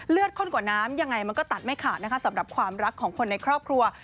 ข้นกว่าน้ำยังไงมันก็ตัดไม่ขาดนะคะสำหรับความรักของคนในครอบครัว